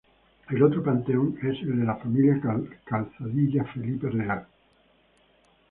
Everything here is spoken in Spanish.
El otro panteón es el de la familia Calzadilla Felipe Real.